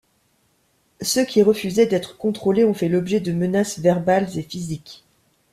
Ceux qui refusaient d'être contrôlés ont fait l'objet de menaces verbales et physiques.